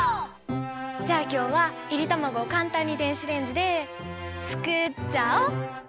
じゃあきょうはいりたまごをかんたんに電子レンジでつくっちゃお！